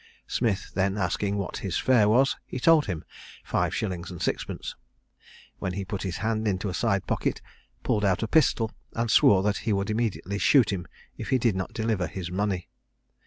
Smith then asking what his fare was, he told him, five shillings and sixpence; when he put his hand into a side pocket, pulled out a pistol, and swore that he would immediately shoot him if he did not deliver his money.